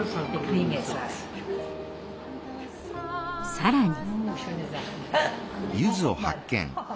更に。